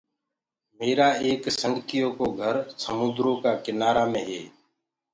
ميرآ ايڪ دوستو ڪو گھر سموندرو ڪآ ڪِنآرآ مي هي۔